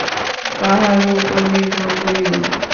কাহারও উপর নির্ভর করিও না।